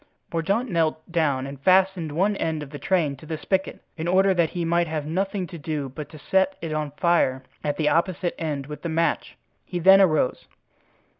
Mordaunt knelt down and fastened one end of the train to the spigot, in order that he might have nothing to do but to set it on fire at the opposite end with the match. He then arose.